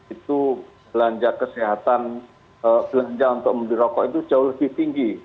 itu belanja kesehatan belanja untuk membeli rokok itu jauh lebih tinggi